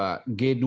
nah itu pasti itu